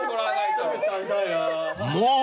［もう！